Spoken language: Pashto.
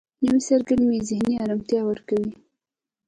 نوې سرګرمي ذهني آرامتیا ورکوي